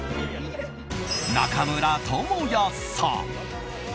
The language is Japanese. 中村倫也さん。